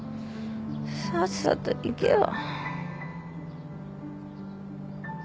さっさと行けよ。